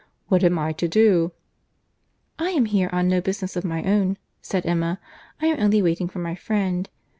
What am I to do?" "I am here on no business of my own," said Emma; "I am only waiting for my friend.